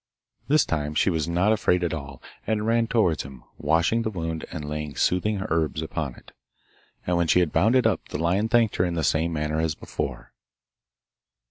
This time she was not afraid at all, and ran towards him, washing the wound and laying soothing herbs upon it; and when she had bound it up the lion thanked her in the same manner as before.